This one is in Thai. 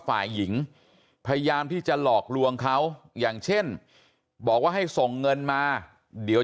ฝ่ายหญิงพยายามที่จะหลอกลวงเขาอย่างเช่นบอกว่าให้ส่งเงินมาเดี๋ยว